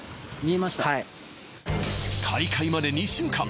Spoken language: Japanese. はい大会まで２週間